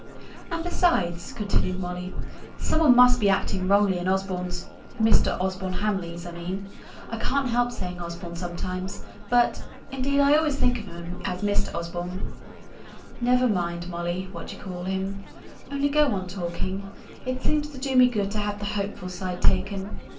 "And, besides," continued Molly, "some one must be acting wrongly in Osborne's Mr. Osborne Hamley's, I mean I can't help saying Osborne sometimes, but, indeed, I always think of him as Mr. Osborne " "Never mind, Molly, what you call him; only go on talking. It seems to do me good to hear the hopeful side taken.